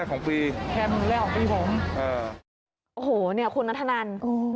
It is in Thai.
โอ้โฮนี่คุณนัทธนัน